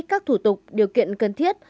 các thủ tục điều kiện cần thiết